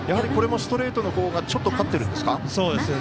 これもストレートのほうがちょっと勝っているんですか。